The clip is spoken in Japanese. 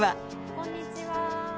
こんにちは。